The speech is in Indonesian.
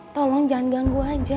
tolong jangan ganggu aja